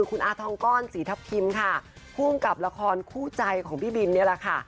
คุณอาทองก้อนศรีทัพทิมค่ะภูมิกับละครคู่ใจของพี่บินนี่แหละค่ะ